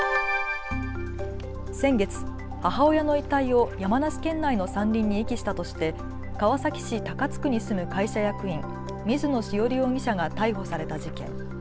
先月、母親の遺体を山梨県内の山林に遺棄したとして川崎市高津区に住む会社役員、水野潮理容疑者が逮捕された事件。